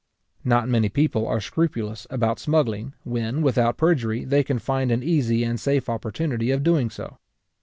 Not many people are scrupulous about smuggling, when, without perjury, they can find an easy and safe opportunity of doing so.